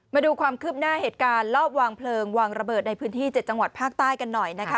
มาดูความคืบหน้าเหตุการณ์ลอบวางเพลิงวางระเบิดในพื้นที่๗จังหวัดภาคใต้กันหน่อยนะคะ